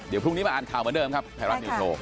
เดี๋ยวพรุ่งนี้มาอ่านข่าวเหมือนเดิมครับไทยรัฐนิวโชว์